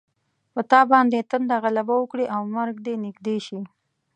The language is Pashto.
په تا باندې تنده غلبه وکړي او مرګ دې نږدې شي.